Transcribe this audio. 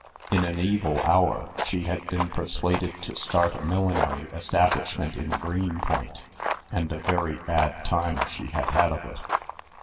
In an evil hour, she had been persuaded to start a millinery establishment in Greenpoint; and a very bad time she had had of it.